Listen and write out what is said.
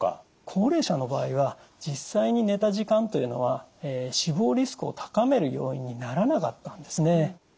高齢者の場合は実際に寝た時間というのは死亡リスクを高める要因にならなかったんですね。